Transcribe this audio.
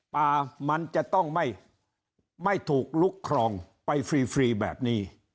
ป่ามันจะต้องไม่ถูกลุกครองไปฟรีแบบนี้